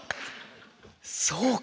そうか。